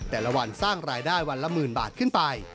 แต่ละวันสร้างรายได้วันละหมื่นบาทขึ้นไป